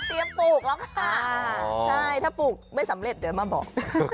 ปลูกแล้วค่ะใช่ถ้าปลูกไม่สำเร็จเดี๋ยวมาบอก